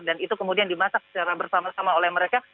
dan itu kemudian dimasak secara bersama sama oleh mereka